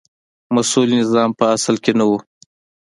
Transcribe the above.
مسوول نظام په اصل کې نه و.